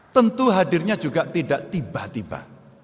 tentu hadirnya juga tidak tiba tiba